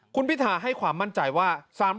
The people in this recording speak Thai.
คุณพิธาให้ความมั่นใจว่า